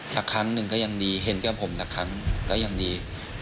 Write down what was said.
สักครั้งหนึ่งก็ยังดีเห็นกับผมสักครั้งก็ยังดี